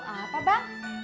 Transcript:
tau apa bang